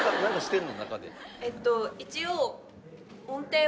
えっと一応。